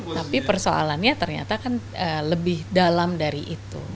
tapi persoalannya ternyata kan lebih dalam dari itu